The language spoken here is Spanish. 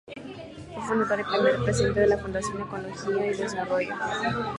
Fue Fundador y primer Presidente de la Fundación Ecología y Desarrollo.